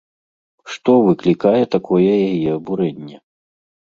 Што выклікае такое яе абурэнне?